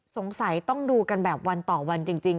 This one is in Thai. สงสัยต้องดูกันแบบวันต่อวันจริง